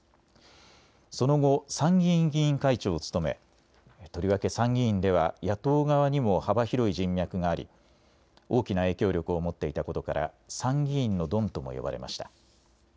その後、参議院議員会長を務めとりわけ参議院では野党側にも幅広い人脈があり大きな影響力を持っていたことから参議院のドンとも呼ばれました。